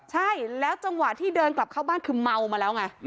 ใช่แล้วจังหวะที่เดินกลับเข้าบ้านคือเมามาแล้วไง